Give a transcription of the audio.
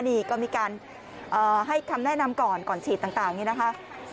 นี่ก็มีการให้คำแนะนำก่อนก่อนฉีดต่างนี่นะคะ